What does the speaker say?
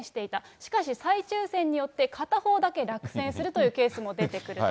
しかし再抽せんによって片方だけ落選するというケースも出てくると。